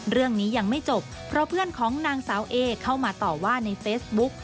เรื่องนี้ยังไม่จบเพราะเพื่อนของนางสาวเอเข้ามาต่อว่าในเฟซบุ๊ก